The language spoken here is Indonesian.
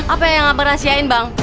apa yang rahasiain bang